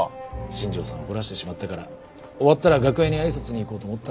新庄さん怒らせてしまったから終わったら楽屋に挨拶に行こうと思ってたんですけどね。